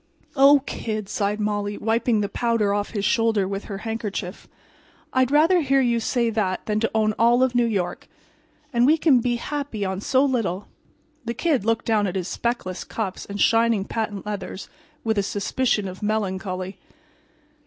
"Oh, Kid," sighed Molly, wiping the powder off his shoulder with her handkerchief, "I'd rather hear you say that than to own all of New York. And we can be happy on so little!" The Kid looked down at his speckless cuffs and shining patent leathers with a suspicion of melancholy.